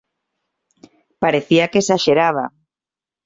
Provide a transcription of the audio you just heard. Parecía que exaxeraba.